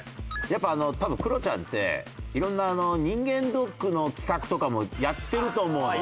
やっぱ多分クロちゃんって色んな人間ドックの企画とかもやってると思うの。